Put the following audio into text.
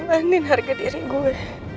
mengorbanin harga diri gue